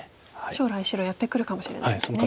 将来白やってくるかもしれないですね。